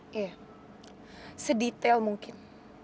iya sedetail mungkin